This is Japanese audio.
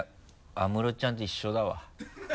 安室ちゃんと一緒だわ。